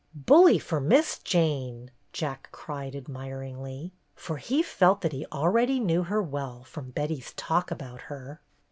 "Bully for Miss Jane!" Jack cried ad miringly, for he felt that he already knew her well, from Betty's talk about her.